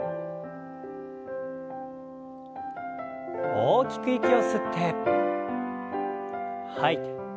大きく息を吸って吐いて。